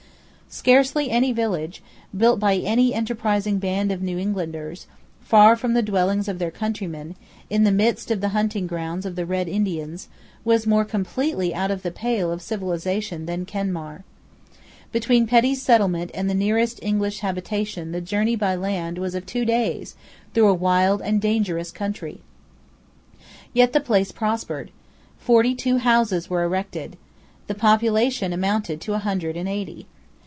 Scarcely any village, built by an enterprising band of New Englanders, far from the dwellings of their countrymen, in the midst of the hunting grounds of the Red Indians, was more completely out of the pale of civilisation than Kenmare. Between Petty's settlement and the nearest English habitation the journey by land was of two days through a wild and dangerous country. Yet the place prospered. Forty two houses were erected. The population amounted to a hundred and eighty.